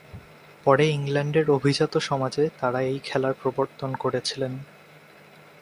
পরে ইংল্যান্ডের অভিজাত সমাজে তারা এই খেলার প্রবর্তন করেছিলেন।